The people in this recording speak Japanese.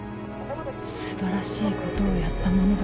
すばらしいことをやったものだ。